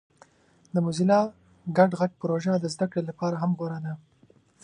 د موزیلا ګډ غږ پروژه د زده کړې لپاره هم غوره ده.